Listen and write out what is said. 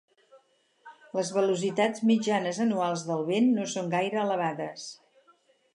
Les velocitats mitjanes anuals del vent no són gaire elevades.